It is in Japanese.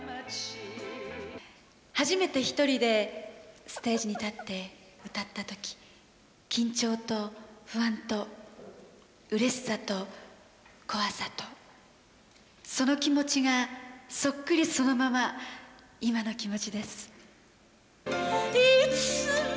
初めて１人でステージに立って歌ったとき緊張と不安と、うれしさと怖さと、その気持ちがそっくりそのまま今の気持ちです。